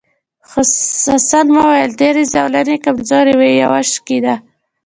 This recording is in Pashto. حسن وویل تېرې زولنې کمزورې وې یوه وشکېده.